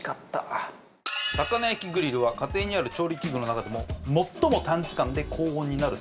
魚焼きグリルは家庭にある調理器具の中でも最も短時間で高温になる優れもの。